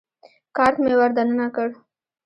کارت مې ور دننه کړ.